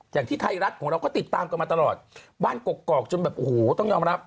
อย่างที่ไทยรัฐของเราก็ติดตามกันมาตลอดบ้านกกอกจนแบบโอ้โหต้องยอมรับ